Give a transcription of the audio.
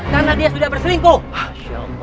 karena dia sudah berselingkuh